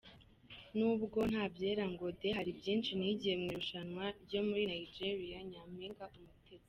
Nubwo ntabyera ngo de, hari byinshi nigiye mu irushanwa muri Nigeriya Nyaminga Umutesi